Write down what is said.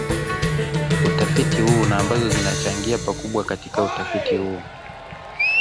utafiti huu na ambazo zinachangia pakubwa katika utafiti huu